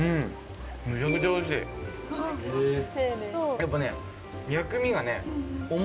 やっぱね。